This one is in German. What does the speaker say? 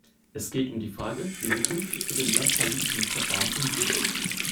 Es geht um die Frage, wie wir künftig mit dem Lamfalussy-Verfahren umgehen.